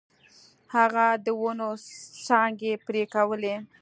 هغه د ونو څانګې پرې کولې.